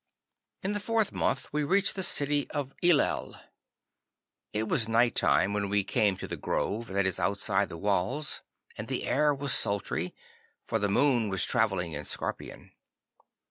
'In the fourth month we reached the city of Illel. It was night time when we came to the grove that is outside the walls, and the air was sultry, for the Moon was travelling in Scorpion.